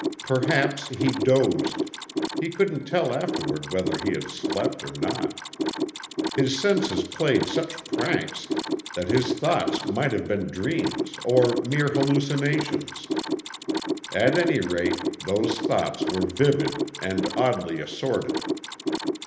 Perhaps he dozed; he couldn't tell afterward whether he had slept or not. His senses played such pranks that his thoughts might have been dreams or mere hallucinations. At any rate those thoughts were vivid and oddly assorted.